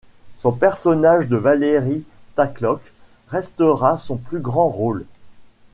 Son personnage de Valerie Tatlock restera son plus grand rôle.